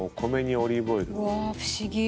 うわ不思議。